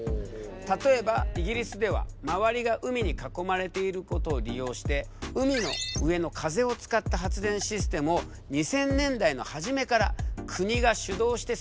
例えばイギリスでは周りが海に囲まれていることを利用して海の上の風を使った発電システムを２０００年代の初めから国が主導して進めたんだ。